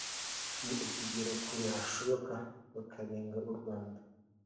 ni ukugera kure hashoboka bakarenga u Rwanda